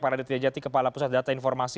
pak raditya jati kepala pusat data informasi